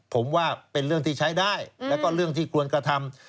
ผมว่าเป็นเรื่องที่ใช้ได้แล้วก็เรื่องที่ควรกระทำ